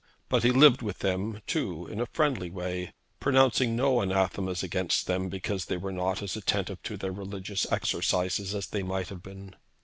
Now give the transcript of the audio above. But he lived with them, too, in a friendly way, pronouncing no anathemas against them, because they were not as attentive to their religious exercises as they might have been.